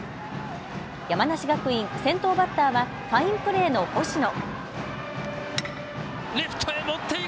山梨学院、先頭バッターはファインプレーの星野。